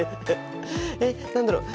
えっ何だろう。